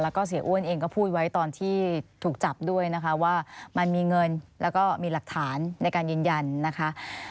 แล้วก็เสียอ้วนเองก็พูดไว้ตอนที่ถูกจับด้วยนะคะว่ามันมีเงินแล้วก็มีหลักฐานในการยืนยันนะคะ